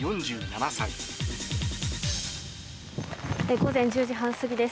午前１０時半過ぎです。